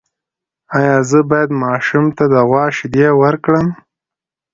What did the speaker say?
ایا زه باید ماشوم ته د غوا شیدې ورکړم؟